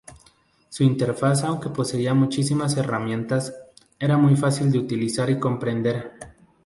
Su interfaz aunque poseía muchísimas herramientas, era muy fácil de utilizar y comprender.